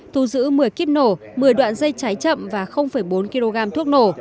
thu giữ một mươi kíp nổ một mươi đoạn dây cháy chậm và bốn kg thuốc nổ